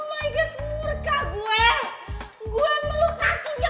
gue meluk kakinya